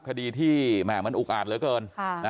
คดีที่มันอุกอาจเหลือเกิน